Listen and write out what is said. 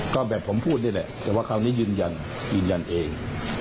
ก็แบบผมพูดนี่แหละแต่ว่าคราวนี้ยืนยันยืนยันเอง